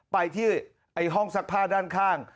ไปที่ห้องซักผ้าด้านข้าง